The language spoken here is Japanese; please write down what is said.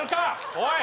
おい！